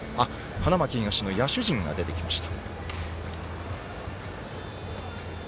花巻東の野手陣が出てきました。